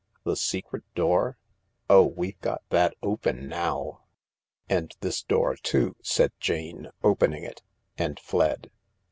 " "The secret door ? Oh— we've got that open now. ..."" And this door too," said Jane, opening it, and fled.